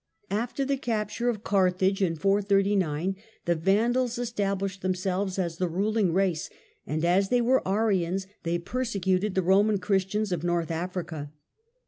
After the capture of Carthage, in 439, the Vandals established themselves as the ruling race, and as they were Arians they persecuted the Eoman Christians of North Africa.